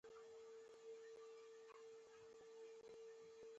په دې خزانه کې زرګونه لرغونې سکې وې